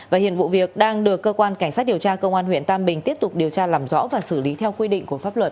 và hiện vụ việc đang được cơ quan cảnh sát điều tra công an huyện tam bình tiếp tục điều tra làm rõ và xử lý theo quy định của pháp luật